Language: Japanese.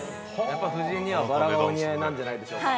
◆やっぱ夫人には、バラがお似合いなんじゃないでしょうか。